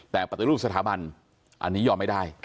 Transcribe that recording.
แต่ปฏิรูปสถาบันอันนี้ยอมไม่ได้